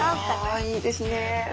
ああいいですね。